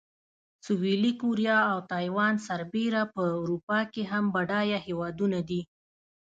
سویلي کوریا او تایوان سربېره په اروپا کې هم بډایه هېوادونه دي.